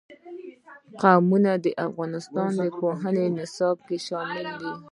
قومونه د افغانستان د پوهنې نصاب کې شامل دي.